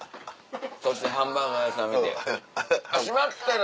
そしてハンバーガー屋さん見て「閉まってる！」。